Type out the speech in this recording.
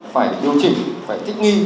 phải điều chỉnh phải thích nghi